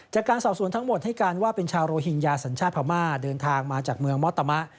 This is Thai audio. จากการสอบสวนทั้งหมดให้การว่าเป็นชาวโรฮิงญาสัญชาติพม่าเดินทางมาจากเมืองมอตมะ